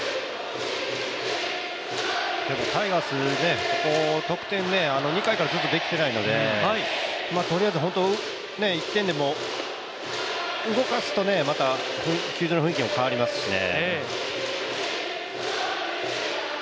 でもタイガース、得点、２回からずっとできていないので、とりあえず本当、１点でもとれると動かすとまた、球場の雰囲気も変わりますしね。